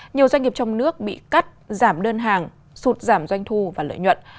nhiều doanh nghiệp trong nước bị cắt giảm đơn hàng sụt giảm doanh thu và lợi nhuận